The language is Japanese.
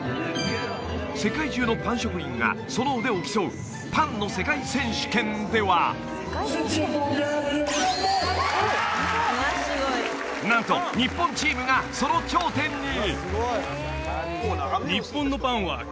世界中のパン職人がその腕を競うパンの世界選手権ではなんと日本チームがその頂点に！